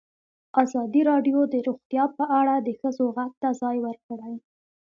ازادي راډیو د روغتیا په اړه د ښځو غږ ته ځای ورکړی.